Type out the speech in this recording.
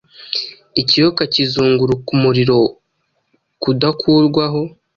Ikiyoka kizunguruka umuriro Kudakurwaho